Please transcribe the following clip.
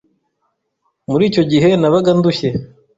muri icyo gihe nabaga ndushye